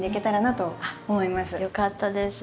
よかったです。